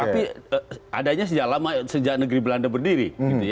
tapi adanya sejak lama sejak negeri belanda berdiri